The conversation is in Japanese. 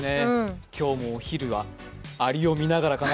今日もお昼はアリを見ながらかな。